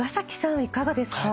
いかがですか？